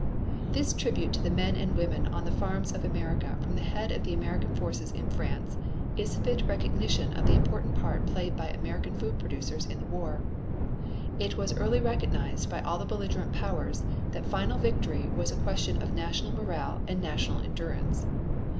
This tribute to the men and women on the farms of America from the head of the American forces in France is fit recognition of the important part played by American food producers in the war. It was early recognized by all the belligerent powers that final victory was a question of national morale and national endurance.